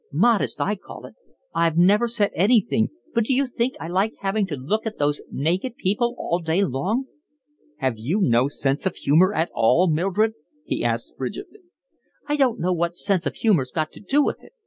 Modest, I call it. I've never said anything, but d'you think I like having to look at those naked people all day long." "Have you no sense of humour at all, Mildred?" he asked frigidly. "I don't know what sense of humour's got to do with it.